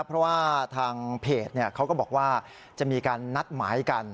เพราะว่าทางเพจเขาก็บอกว่าจะมีการนัดหมายกัน